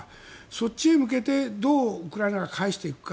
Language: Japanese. そっちへ向けてどうウクライナが返していくか。